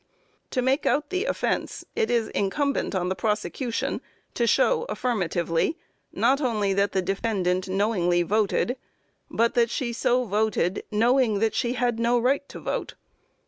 To make out the offence, it is incumbent on the prosecution to show affirmatively, not only that the defendant knowingly voted, but that she so voted knowing that she had no right to vote.